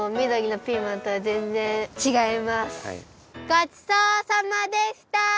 ごちそうさまでした！